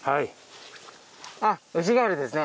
あっウシガエルですね。